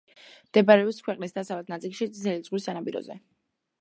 მდებარეობს ქვეყნის დასავლეთ ნაწილში წითელი ზღვის სანაპიროზე.